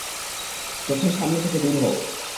চোখের সামনে থেকে দূর হও!